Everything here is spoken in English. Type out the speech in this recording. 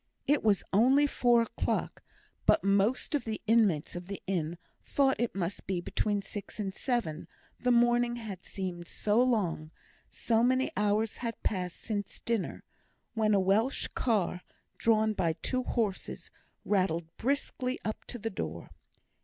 It was only four o'clock, but most of the inmates of the inn thought it must be between six and seven, the morning had seemed so long so many hours had passed since dinner when a Welsh car, drawn by two horses, rattled briskly up to the door.